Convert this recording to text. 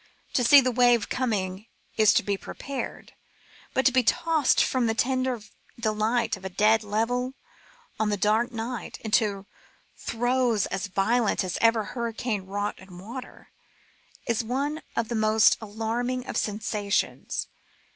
To see a wave coming is to be prepared; but to be tossed from the tender delight of a dead level on a dark night into throes as violent as ever hurricane wrought in water, is one of the most alarming of sensations.